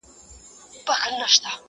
چي نه عقل او نه زور د چا رسېږي!!